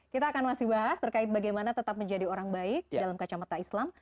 kita akan masih bahas terkait bagaimana tetap menjadi orang baik dalam kacamata islam